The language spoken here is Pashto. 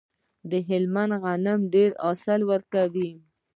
د هلمند غنم ډیر حاصل ورکوي.